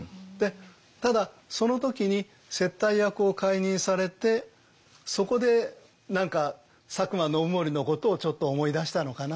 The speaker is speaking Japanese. ただその時に接待役を解任されてそこで何か佐久間信盛のことをちょっと思い出したのかな。